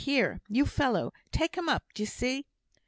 Here! you fellow, take him up, d'ye see!"